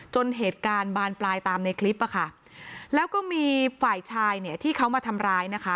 จนเหตุการณ์บานปลายตามในคลิปอ่ะค่ะแล้วก็มีฝ่ายชายเนี่ยที่เขามาทำร้ายนะคะ